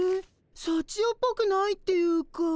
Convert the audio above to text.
さちよっぽくないっていうか。